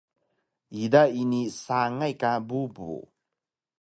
ida ini sangay ka bubu